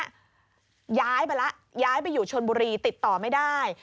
ย้ายไปแล้วย้ายไปอยู่ชนบุรีติดต่อไม่ได้